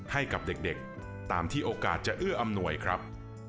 ให้กับเด็กตามที่โอกาสจะเอื้ออำนวยครับ